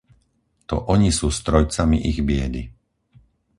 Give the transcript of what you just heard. To oni sú strojcami ich biedy.